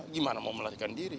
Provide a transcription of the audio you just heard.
gimana mau melarikan diri